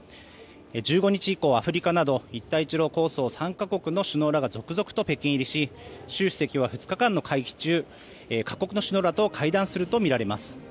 １５日以降、アフリカなど一帯一路構想参加国の続々と北京入りし習主席は２日間の会期中各国の首脳らと会談するとみられます。